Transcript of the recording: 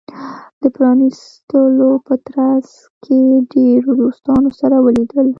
د پرانېستلو په ترڅ کې ډیرو دوستانو سره ولیدل.